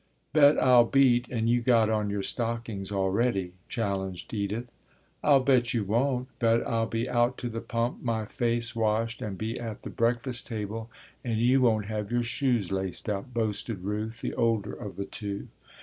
"Bet I'll beat, and you got on your stockings already," challenged Edith. "I'll bet you won't, bet I'll be out to the pump, my face washed, and be at the breakfast table and you won't have your shoes laced up," boasted Ruth, the older of the two.